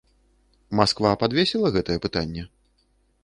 Масква падвесіла гэтае пытанне?